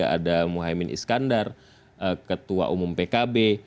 ada mohaimin iskandar ketua umum pkb